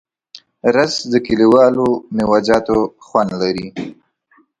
رس د کلیوالو میوهجاتو خوند لري